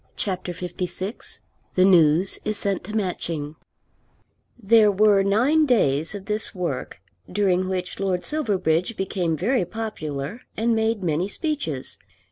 CHAPTER LVI The News Is Sent to Matching There were nine days of this work, during which Lord Silverbridge became very popular and made many speeches.